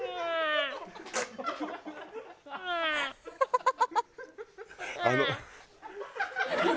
ハハハハ！